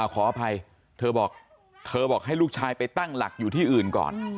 ขออภัยเธอบอกเธอบอกให้ลูกชายไปตั้งหลักอยู่ที่อื่นก่อน